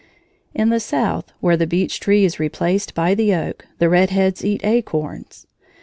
In the South, where the beech tree is replaced by the oak, the red heads eat acorns.